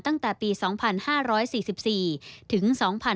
ตั้งแต่ปี๒๕๔๔ถึง๒๕๕๙